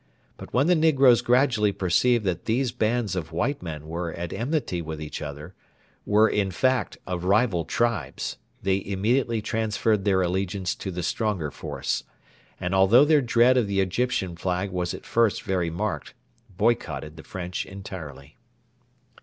But when the negroes gradually perceived that these bands of white men were at enmity with each other were, in fact, of rival tribes they immediately transferred their allegiance to the stronger force, and, although their dread of the Egyptian flag was at first very marked, boycotted the French entirely.